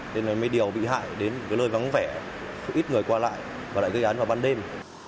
nên là mấy điều bị hại đến cái lơi vắng vẻ ít người qua lại và lại gây án vào ban đêm